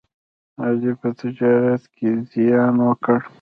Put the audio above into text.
علي په تجارت کې زیان وکړ.